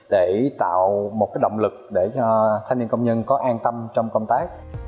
để cho thanh niên công nhân có an tâm trong công tác